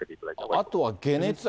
あとは解熱。